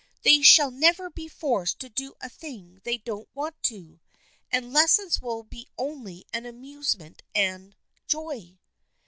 They shall never be forced to do a thing they don't want to, and lessons will be only an amusement and a joy."